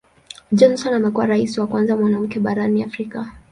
Johnson amekuwa Rais wa kwanza mwanamke barani Afrika.